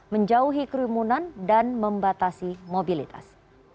menjauhi kerumunan dan membatasi mobilitas